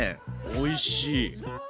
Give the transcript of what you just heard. おいしい。